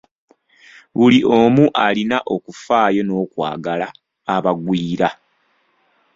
Buli omu alina okufaayo n'okwagala abagwira.